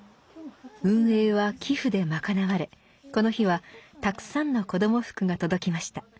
運営は寄付で賄われこの日はたくさんの子ども服が届きました。